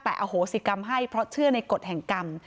แต่อโหสิกรรมให้เพราะเชื่อในกฎแห่งกรรม